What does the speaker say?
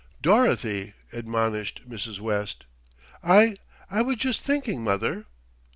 "Dorothy!" admonished Mrs. West. "I I was just thinking, mother."